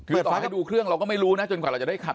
คือต่อให้ไปดูเครื่องเราก็ไม่รู้นะจนกว่าเราจะได้ขับ